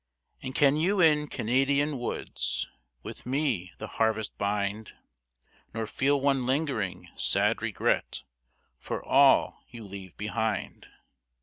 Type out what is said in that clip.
And can you in Canadian woods With me the harvest bind, Nor feel one lingering, sad regret For all you leave behind?